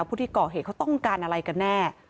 ผู้ที่เกาะเก้าเขาต้องการอะไรกันแน่เนาะ